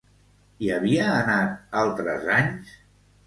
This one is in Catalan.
Hi havia anat altres anys?